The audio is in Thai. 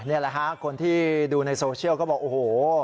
นี่แหละฮะคนที่ดูในโซเชียลก็บอกโอ้โห